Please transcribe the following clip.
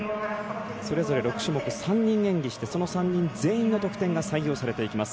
それぞれ６種目３人演技してその３人全員の得点が採用されていきます。